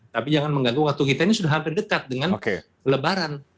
tapi jangan mengganggu waktu kita ini sudah hampir dekat dengan lebaran